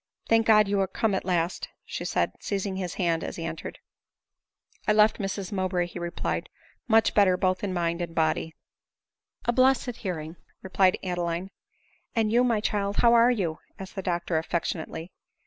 " Thank God, you are come at last !" said she, seizing his hand as he entered. •" I left Mrs Mowbray," replied he, " much better both in mind and body." " A blessed hearing !" replied Adeline. " And you, my child, how are you ?" asked the doctor affectionately.